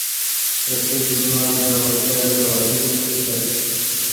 رقیب زما د زړورتیا ګواهي ده